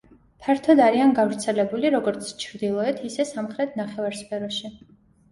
ფართოდ არიან გავრცელებული როგორც ჩრდილოეთ, ისე სამხრეთ ნახევარსფეროში.